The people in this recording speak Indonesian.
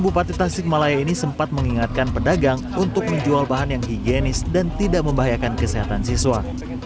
bupati tasikmalaya ini sempat mengingatkan pedagang untuk menjual bahan yang higienis dan tidak membahayakan kesehatan siswa